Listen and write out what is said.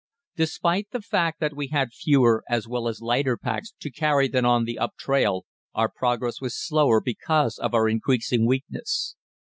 Despite the fact that we had fewer as well as lighter packs to carry than on the up trail, our progress was slower because of our increasing weakness.